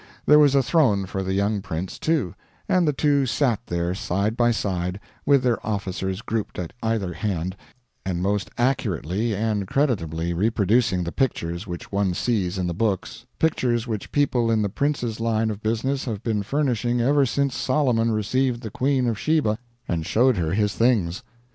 There was a throne for the young prince, too, and the two sat there, side by side, with their officers grouped at either hand and most accurately and creditably reproducing the pictures which one sees in the books pictures which people in the prince's line of business have been furnishing ever since Solomon received the Queen of Sheba and showed her his things.